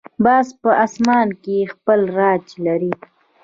باز په آسمان کې خپل راج لري